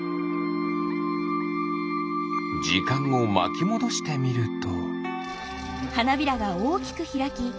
じかんをまきもどしてみると。